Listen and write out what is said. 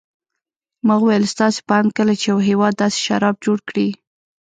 ما وویل: ستاسې په اند کله چې یو هېواد داسې شراب جوړ کړي.